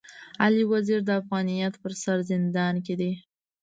علي وزير د افغانيت پر سر زندان کي دی.